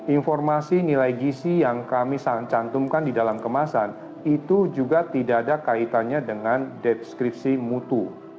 informasi nilai gisi yang kami cantumkan di dalam kemasan itu juga tidak ada kaitannya dengan deskripsi mutu